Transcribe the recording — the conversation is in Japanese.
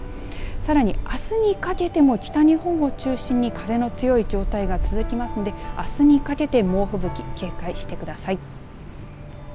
さらにあすにかけても北日本を中心に風の強い状態が続きますのであすにかけて猛吹雪警戒してください。